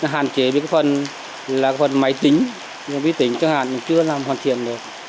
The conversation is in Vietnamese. hàn chế với phần máy tính bí tính chẳng hạn nhưng chưa làm hoàn thiện được